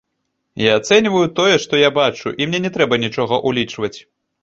Я ацэньваю тое, што я бачу, і мне не трэба нічога ўлічваць.